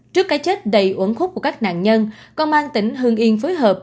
trước cái chết đầy uống khúc của các nạn nhân công an tỉnh hương yên phối hợp